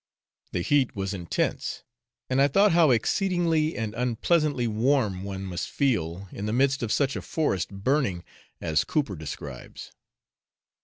The heat was intense, and I thought how exceedingly and unpleasantly warm one must feel in the midst of such a forest burning, as Cooper describes.